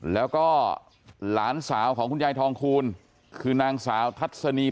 แล้วก็หลานสาวของคุณยายทองคูนคือนางสาวทัศนีพันธระหรือว่าน้องหยก